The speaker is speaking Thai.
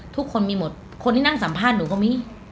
ทุกคนมีหมดคนที่นั่งสัมภาษณ์หนูก็มี